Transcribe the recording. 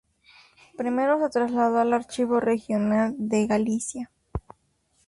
Primero se trasladó al Archivo Regional de Galicia.